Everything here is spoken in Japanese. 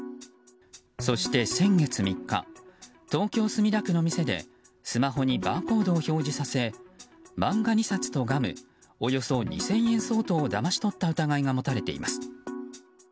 そして、先月３日東京・墨田区の店でスマホにバーコードを表示させ漫画２冊とガムおよそ２０００円相当をだまし取った疑いが持たれています。